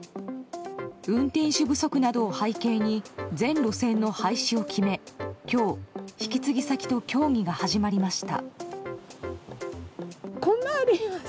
運転手不足などを背景に全路線の廃止を決め今日、引き継ぎ先と協議が始まりました。